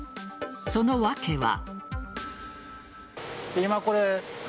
その訳は。